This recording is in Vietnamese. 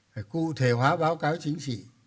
phải cụ thể hóa báo cáo chính trị